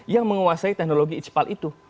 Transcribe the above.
yang menguasai teknologi icpal itu